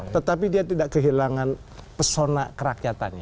tetapi dia tidak kehilangan pesona kerakyatannya